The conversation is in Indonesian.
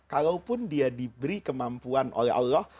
kalaupun dia diberi kemampuan oleh allah